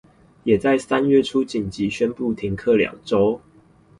也在三月初緊急宣布停課兩週